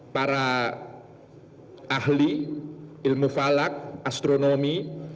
para ahli ilmu falak astronomi